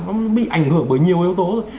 nó bị ảnh hưởng bởi nhiều yếu tố rồi